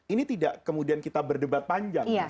ini tidak kemudian kita berdebat panjang